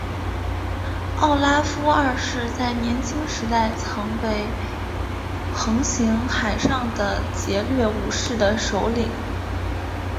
奥拉夫二世在年轻时代曾为横行海上的劫掠武士的首领。